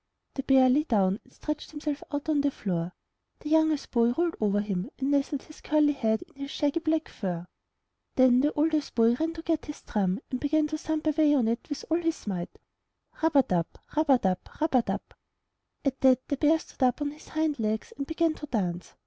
The bear lay down and stretched himself out on the floor; the youngest boy rolled over him and nestled his curly head in the shaggy black fur. Then the oldest boy ran to get his drum and began to thump away on it with all his might, Rub a dub! Rub a dub! Rub a dub! At that the bear stood up on his hind legs and began to dance.